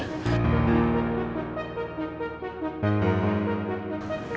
tidak ada masalah